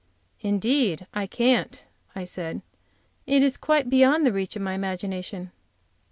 "Indeed I can't!" I said; "it is quite beyond the reach of my imagination."